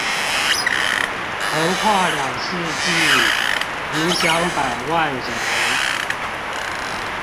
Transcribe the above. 橫跨兩世紀，影響百萬人